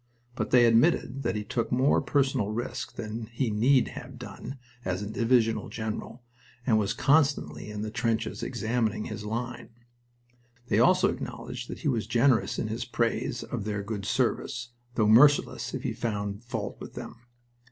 But they admitted that he took more personal risk than he need have done as a divisional general, and was constantly in the trenches examining his line. They also acknowledged that he was generous in his praise of their good service, though merciless if he found fault with them.